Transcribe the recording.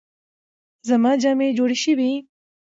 زما جامې جوړې شوې؟